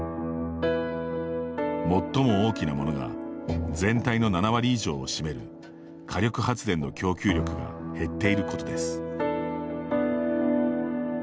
最も大きなものが全体の７割以上を占める火力発電の供給力が減っていることです。